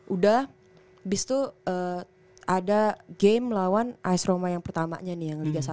udah abis itu ada game lawan ice roma yang pertamanya nih yang liga satu